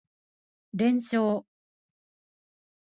連勝